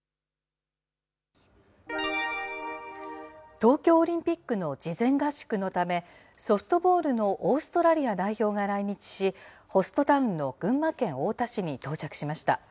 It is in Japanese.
東京オリンピックの事前合宿のため、ソフトボールのオーストラリア代表が来日し、ホストタウンの群馬県太田市に到着しました。